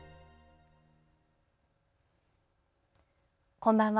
こんばんは。